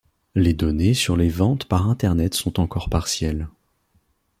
Les données sur les ventes par internet sont encore partielles.